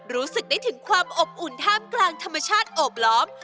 รู้สึกได้ถึงความอบอุ่นท่ามกลางธรรมชาติโอบล้อม